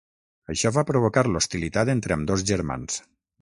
Això va provocar l'hostilitat entre ambdós germans.